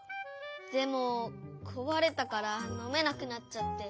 でもこわれたからのめなくなっちゃって。